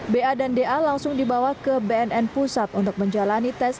ba dan da langsung dibawa ke bnn pusat untuk menjalani tes